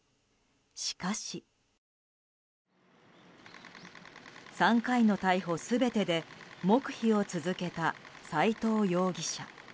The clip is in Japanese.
しかし、３回の逮捕全てで黙秘を続けた斎藤容疑者。